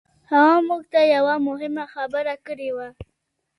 هغه موږ ته يوه مهمه خبره کړې وه.